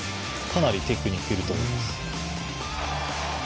かなりテクニックがいると思います。